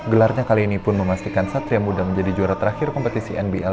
gelarnya kali ini pun memastikan satria muda menjadi juara terakhir kompetisi nbl